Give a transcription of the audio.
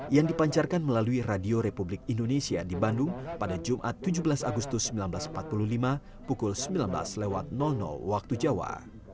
yang dipancarkan melalui radio republik indonesia di bandung pada jumat tujuh belas agustus seribu sembilan ratus empat puluh lima pukul sembilan belas lewat waktu jawa